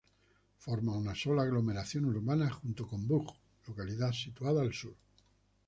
Forma una sola aglomeración urbana junto con Burgh, localidad situada al sur.